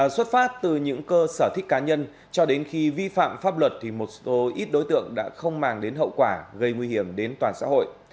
xuất phát từ những cơ sở thích cá nhân cho đến khi vi phạm pháp luật thì một số ít đối tượng đã không mang đến hậu quả gây nguy hiểm đến toàn xã hội